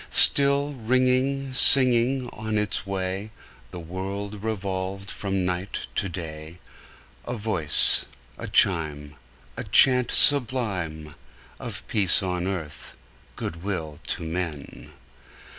Till, ringing, singing on its way, The world revolved from night to day, A voice, a chime, A chant sublime Of peace on earth, good will to men!